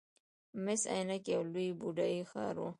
مس عینک یو لوی بودايي ښار و